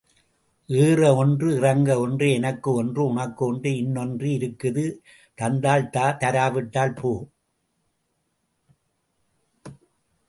ஏற ஒன்று இறங்க ஒன்று, எனக்கு ஒன்று, உனக்கு ஒன்று, இன்னொன்று இருக்குது தந்தால் தா, தராவிட்டால் போ.